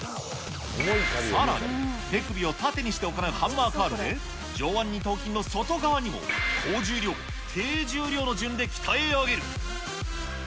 さらに、手首を縦にして行うハンマーカールで、上腕二頭筋の外側にも高重量、低重量の順で鍛え上げる。